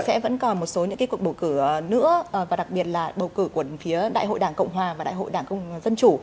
sẽ vẫn còn một số những cái cuộc bầu cử nữa và đặc biệt là bầu cử của phía đại hội đảng cộng hòa và đại hội đảng dân chủ